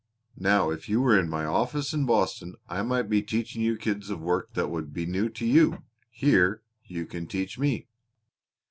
Now if you were in my office in Boston I might be teaching you kinds of work that would be new to you; here you can teach me.